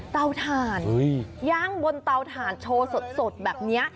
เตาถ่านย่างบนเตาถ่านโชว์สดแบบนี้